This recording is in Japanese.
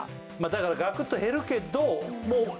だからガクッと減るけどそうよ